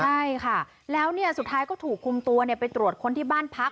ใช่ค่ะแล้วสุดท้ายก็ถูกคุมตัวไปตรวจคนที่บ้านพัก